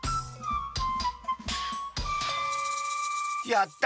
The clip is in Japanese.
やった！